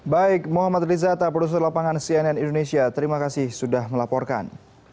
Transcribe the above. baik muhammad rizata produser lapangan cnn indonesia terima kasih sudah melaporkan